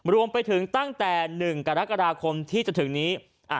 รวมไปถึงตั้งแต่๑กรกฎาคมที่จะถึงนี้